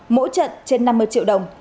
mỗi trận trên năm mươi triệu đồng